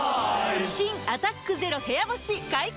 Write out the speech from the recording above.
新「アタックＺＥＲＯ部屋干し」解禁‼